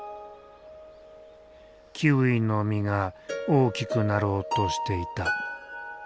キウイの実が大きくなろうとしていた。